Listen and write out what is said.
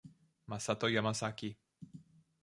Masato Yamasaki